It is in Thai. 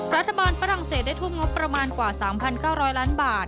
ฝรั่งเศสได้ทุ่มงบประมาณกว่า๓๙๐๐ล้านบาท